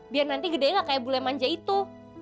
biar nanti gede kayak bule manja itu